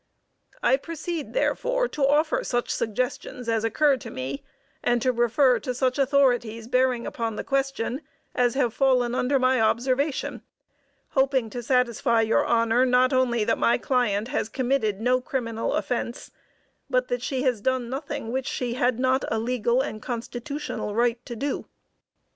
I proceed, therefore, to offer such suggestions as occur to me, and to refer to such authorities bearing upon the question, as have fallen under my observation, hoping to satisfy your honor, not only that my client has committed no criminal offense, but that she has done nothing which she had not a legal and constitutional right to do.